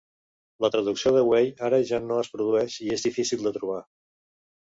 La traducció de Wei ara ja no es produeix i és difícil de trobar.